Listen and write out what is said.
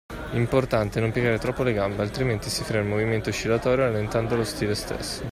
Importante è non piegare troppo le gambe, altrimenti si frena il movimento oscillatorio rallentando lo stile stesso.